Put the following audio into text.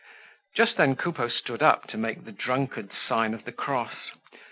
Just then Coupeau stood up to make the drunkard's sign of the cross.